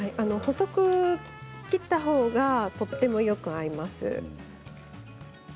細く切ったほうがとてもよく合います。